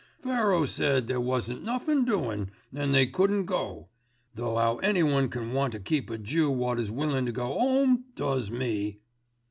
"Pharaoh said there wasn't nothin' doin', an' they couldn't go. Though 'ow anyone can want to keep a Jew wot is willin' to go 'ome does me.